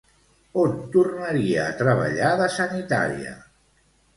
On tornaria a treballar de sanitària?